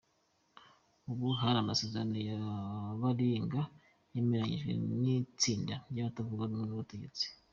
Ubu hari amasezerano ya baringa yemeranyijwe n’itsinda ry’abatavuga rumwe n’ubutegetsi.